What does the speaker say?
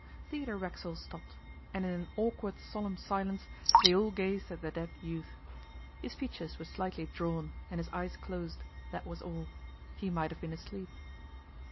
Theodore Racksole stopped, and in an awkward solemn silence they all gazed at the dead youth. His features were slightly drawn, and his eyes closed; that was all. He might have been asleep.